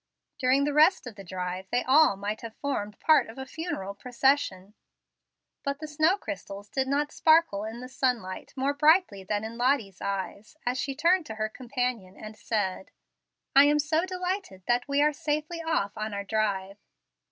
During the rest of the drive they all might have formed part of a funeral procession. But the snow crystals did not sparkle in the sunlight more brightly than Lottie's eyes, as she turned to her companion, and said, "I am so delighted that we are safely off on our drive."